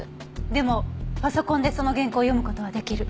でもパソコンでその原稿を読む事は出来る。